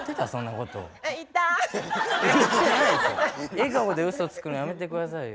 笑顔でウソつくのやめて下さいよ。